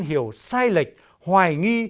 hiểu sai lệch hoài nghi